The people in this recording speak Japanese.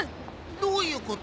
どういうこと？